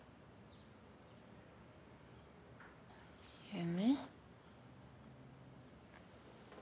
夢？